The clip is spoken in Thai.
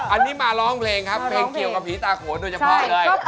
อันนี้มาร้องเพลงครับเพลงเกี่ยวกับผีตาโขนโดยเฉพาะเลย